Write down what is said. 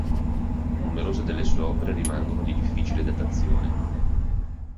Numerose delle sue opere rimangono di difficile datazione.